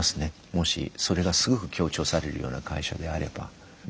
もしそれがすごく強調されるような会社であれば。